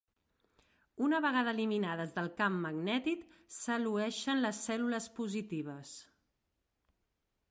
Una vegada eliminades del camp magnètic, s'elueixen les cèl·lules positives.